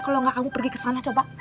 kalau nggak kamu pergi ke sana coba